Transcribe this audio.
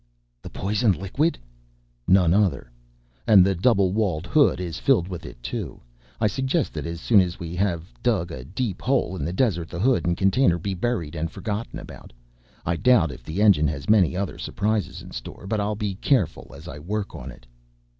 "The poison liquid!" "None other. And the double walled hood is filled with it, too. I suggest that as soon as we have dug a deep hole in the desert the hood and container be buried and forgotten about. I doubt if the engine has many other surprises in store, but I'll be careful as I work on it."